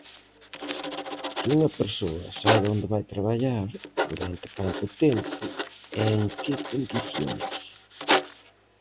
Que unha persoa saiba onde vai traballar, durante canto tempo e en que condicións.